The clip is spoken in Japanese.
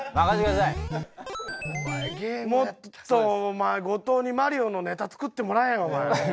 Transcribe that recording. もっとお前後藤に『マリオ』のネタ作ってもらえよ。